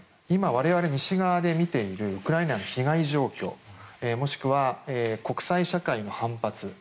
今、我々が西側で見ているウクライナの被害状況もしくは国際社会の反発